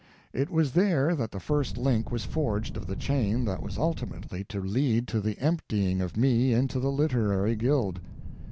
It was there that the first link was forged of the chain that was ultimately to lead to the emptying of me into the literary guild.